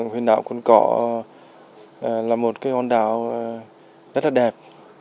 huyện đảo cồn cỏ là một con đảo rất đẹp